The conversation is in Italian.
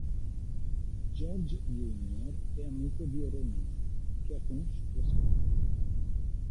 George junior è amico di Renee, che ha conosciuto a scuola.